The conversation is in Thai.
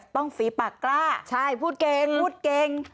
ต้องฝีปากล้าพูดเก่ง